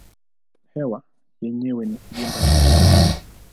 Hewa yenyewe ni gimba la gesi.